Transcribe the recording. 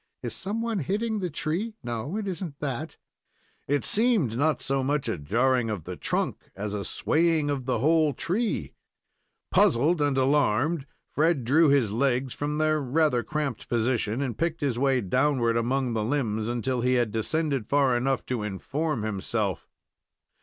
"Is some one hitting the tree? No, it isn't that." It seemed not so much a jarring of the trunk as a swaying of the whole tree. Puzzled and alarmed, Fred drew his legs from their rather cramped position, and picked his way downward among the limbs until he had descended far enough to inform himself.